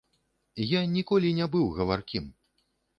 Я ніколі не быў гаваркім.